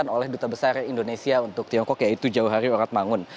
oleh duta besar indonesia untuk tiongkok yaitu jauhari orat mangun